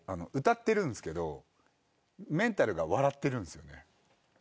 歌ってるんすけどメンタルが笑ってるんすよね。